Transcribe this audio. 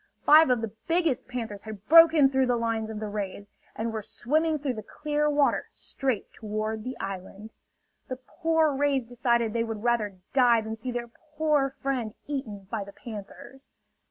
Five of the biggest panthers had broken through the lines of the rays, and were swimming through clear water straight toward the island. The poor rays decided they would rather die than see their poor friend eaten by the panthers.